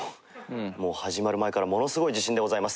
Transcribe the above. もう始まる前からものすごい自信でございます。